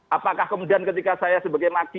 apakah kemudian ketika saya sebagai maki